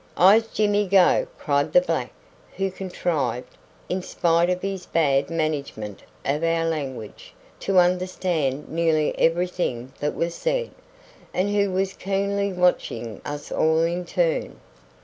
"Iss, Jimmy go," cried the black, who contrived, in spite of his bad management of our language, to understand nearly everything that was said, and who was keenly watching us all in turn.